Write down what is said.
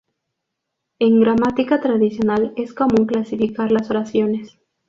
En gramática tradicional es común clasificar las oraciones.